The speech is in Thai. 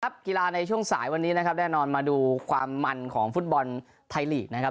กีฬาในช่วงสายวันนี้นะครับแน่นอนมาดูความมันของฟุตบอลไทยลีกนะครับ